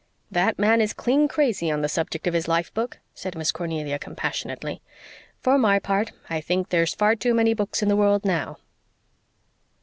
"That man is clean crazy on the subject of his life book," said Miss Cornelia compassionately. "For my part, I think there's far too many books in the world now."